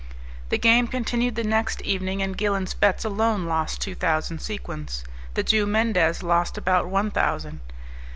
The game continued the next evening, and Gilenspetz alone lost two thousand sequins; the Jew Mendez lost about one thousand.